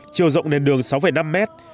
chiều rộng nền đường sáu năm mét